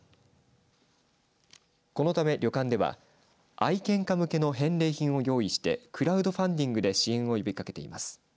このため、旅館では愛犬家向けの返礼品を用意してクラウドファンディングで支援を呼びかけています。